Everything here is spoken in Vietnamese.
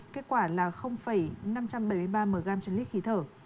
kết quả là năm trăm bảy mươi ba mg trên lít khí thở